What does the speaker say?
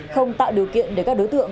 không tạo điều kiện để các đối tượng